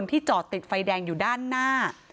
ที่จอดติดไฟแดงอยู่ด้านหน้า